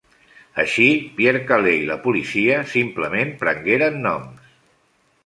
Així, Pierre Callet i la policia simplement prengueren noms.